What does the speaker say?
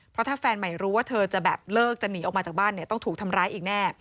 เพราะถ้าแฟนใหม่รู้ว่าเธอจะแบบเลิกจะหนีออกมาจากบ้านเนี่ยต้องถูกทำร้ายอีกแน่